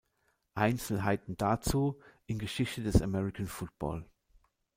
Einzelheiten dazu in Geschichte des American Football.